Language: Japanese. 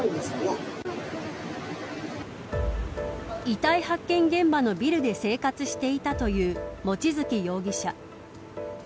遺体発見現場のビルで生活していたという望月容疑者。